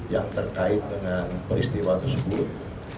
yang terkait dengan peristiwa tersebut